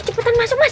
cepetan masuk mas